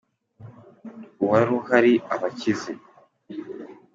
uwari uhari abakize”.